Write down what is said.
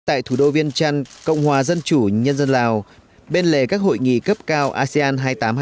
tại thủ đô viên trăn cộng hòa dân chủ nhân dân lào bên lề các hội nghị cấp cao asean hai nghìn tám trăm hai mươi